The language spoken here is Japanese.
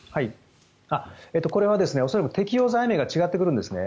これは恐らく適用罪名が違ってくるんですね。